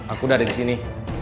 aku udah ada di sini